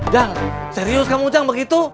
jang serius kamu jang begitu